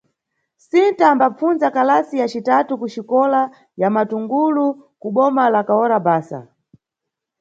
Sinta ambapfundza kalasi ya citatu kuxikola ya Matungulu, kuboma la Kahora Bhasa.